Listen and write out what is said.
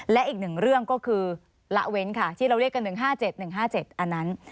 และอีกหนึ่งเรื่องก็คือละเว้นค่ะที่เราเรียกกัน๑๕๗๑๕๗อันนั้น